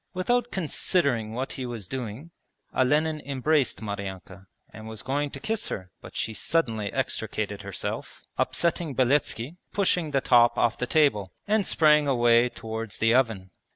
Without considering what he was doing Olenin embraced Maryanka and was going to kiss her, but she suddenly extricated herself, upsetting Beletski and pushing the top off the table, and sprang away towards the oven.